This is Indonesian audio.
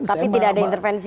tapi tidak ada intervensi